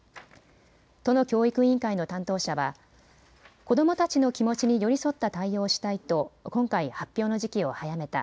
都の教育委員会の担当者は子どもたちの気持ちに寄り添った対応をしたいと今回、発表の時期を早めた。